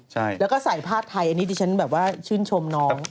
ใช่แล้วก็ใส่ผ้าไทยอันนี้ดิฉันแบบว่าชื่นชมน้อง